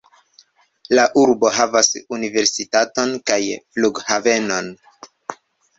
La urbo havas universitaton kaj flughavenon.